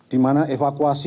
di mana evakuasi